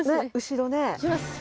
後ろね